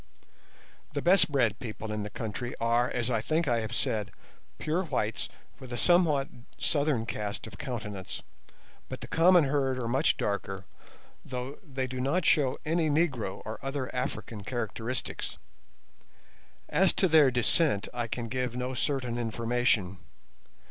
The best bred people in the country are, as I think I have said, pure whites with a somewhat southern cast of countenance; but the common herd are much darker, though they do not show any negro or other African characteristics. As to their descent I can give no certain information.